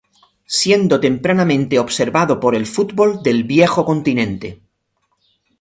Siendo tempranamente observado por el fútbol del viejo continente.